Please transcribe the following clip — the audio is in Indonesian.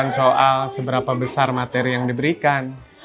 pada akhirnya lebaran itu bukan soal seberapa besar materi yang diberikan